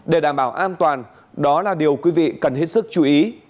để đảm bảo an toàn đó là điều quý vị cần hết sức chú ý